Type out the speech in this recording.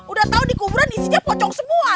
udah tau di kuburan isinya pocong semua